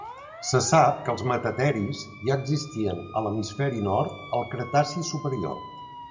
Se sap que els metateris ja existien a l'hemisferi nord al Cretaci superior.